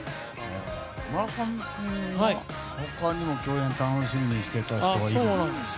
村上君は他にも共演を楽しみにしていた人がいると。